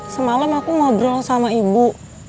semalam aku ngobrol sama ibu